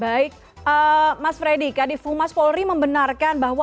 baik mas freddy di fumas polri membenarkan bahwa